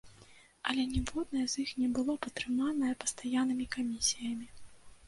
Але ніводнае з іх не было падтрыманае пастаяннымі камісіямі.